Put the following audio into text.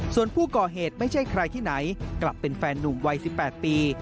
ส่วนผู้ก่อเหตุไม่ใช่ใครที่ไหนกลับเป็นแฟนนุ่มวัย๑๘ปี